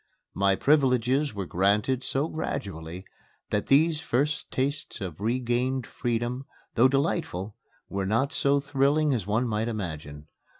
My privileges were granted so gradually that these first tastes of regained freedom, though delightful, were not so thrilling as one might imagine.